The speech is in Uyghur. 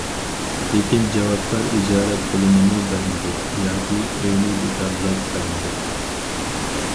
لېكىن جاۋابكار ئىجارە پۇلىنىمۇ بەرمىدى ياكى ئۆينى بىكارلاپ بەرمىدى.